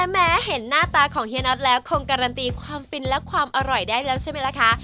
แม้เห็นหน้าตาของเฮียน็อตแล้วคงการันตีความฟินและความอร่อยได้แล้วใช่ไหมล่ะคะ